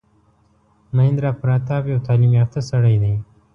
مهیندراپراتاپ یو تعلیم یافته سړی دی.